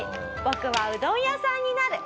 「僕はうどん屋さんになる」